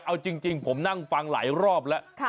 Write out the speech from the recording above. เอาจริงผมนั่งฟังหลายรอบแล้ว